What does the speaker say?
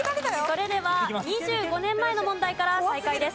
それでは２５年前の問題から再開です。